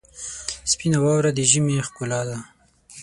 سپینه واوره د ژمي ښکلا ده.